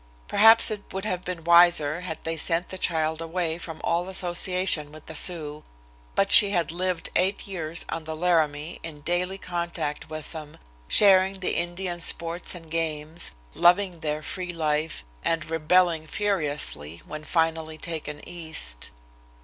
Perhaps it would have been wiser had they sent the child away from all association with the Sioux, but she had lived eight years on the Laramie in daily contact with them, sharing the Indian sports and games, loving their free life, and rebelling furiously when finally taken East.